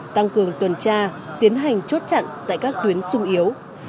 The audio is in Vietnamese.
tăng cường tuần tra tiến hành chốt chặn tại các tuyến sung yếu